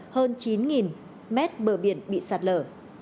hơn chín mét bờ biển bị sạt lở